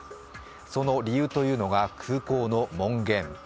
その理由というのが空港の門限。